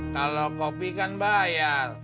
kalau kopi kan bayar